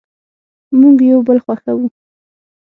مونږ یو بل خوښوو